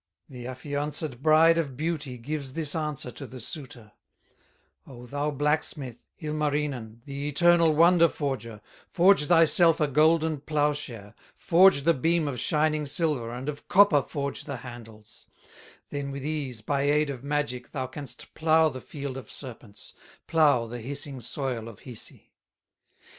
The affianced Bride of Beauty Gives this answer to the suitor: "O, thou blacksmith, Ilmarinen, The eternal wonder forger, Forge thyself a golden plowshare, Forge the beam of shining silver, And of copper forge the handles; Then with ease, by aid of magic, Thou canst plow the field of serpents, Plow the hissing soil of Hisi."